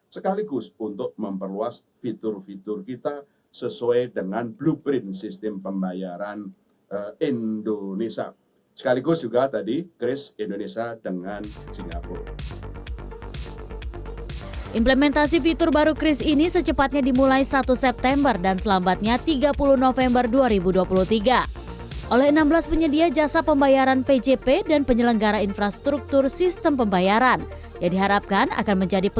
sekaligus untuk memperluas fitur fitur kita sesuai dengan blueprint sistem pembayaran indonesia